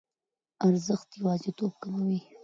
ارزښت یوازیتوب کموي.